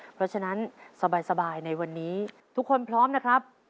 เพราะฉะนั้นสบายในวันนี้ทุกคนพร้อมนะครับ